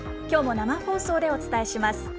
きょうも生放送でお伝えします。